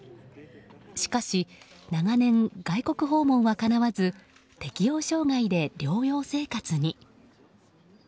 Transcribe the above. しかし、長年外国訪問はかなわず適応障害で療養生活に。